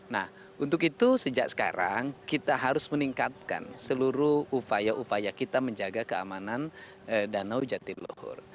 nah untuk itu sejak sekarang kita harus meningkatkan seluruh upaya upaya kita menjaga keamanan danau jatiluhur